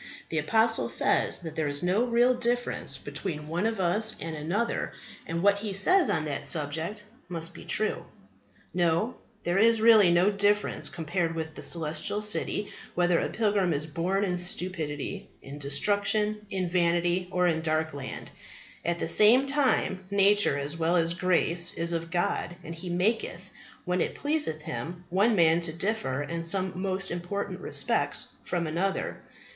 The apostle says that there is no real difference between one of us and another; and what he says on that subject must be true. No; there is really no difference compared with the Celestial City whether a pilgrim is born in Stupidity, in Destruction, in Vanity, or in Darkland. At the same time, nature, as well as grace, is of God, and He maketh, when it pleaseth Him, one man to differ in some most important respects from another.